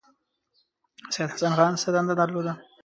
سید حسن خان څه دنده درلوده.